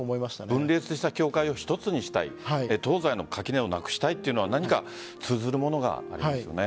分裂した業界を一つにしたい東西の垣根をなくしたいというのは何か通ずるものがありますね。